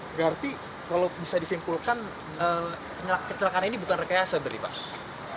berarti kalau bisa disimpulkan kecelakaan ini bukan rekayasa berarti pak